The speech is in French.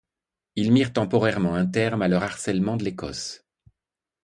Ils mirent temporairement un terme à leur harcèlement de l'Écosse.